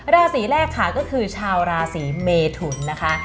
ลาศีแรกนะคะก็คือชาวลาศีเมฑูนนะคะ